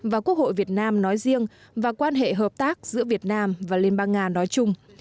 và quốc hội việt nam nói riêng và quan hệ hợp tác giữa việt nam và liên bang nga nói chung